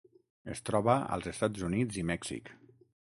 Es troba als Estats Units i Mèxic.